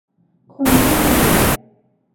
คนเจ้าระเบียบ